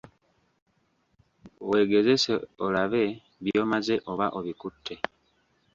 Weegezese olabe by'omaze oba obikutte.